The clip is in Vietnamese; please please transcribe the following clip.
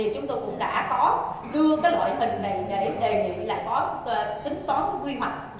chúng tôi cũng đã có đưa loại hình này để đề nghị có tính toán quy hoạch trong tương lai